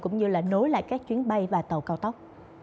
cũng như là nối lại các chuyến bay và tàu cao tốc